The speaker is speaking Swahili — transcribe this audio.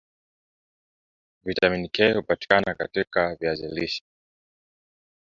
vitamini K hupatikana katika viazi lishe